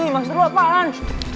emang seru apaan